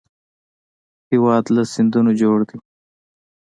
هېواد له سیندونو جوړ دی